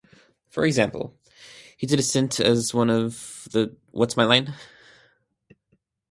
For example, he did a stint as one of the What's My Line?